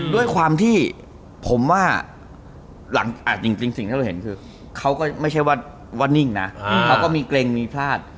ด้วยความที่ผมว่าจริงสิ่งที่เราเห็นคือเขาก็ไม่ใช่ว่านิ่งนะเขาก็มีเกร็งมีพลาด